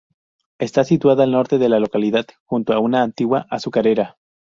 Está situada al norte de la localidad junto a una antigua azucarera.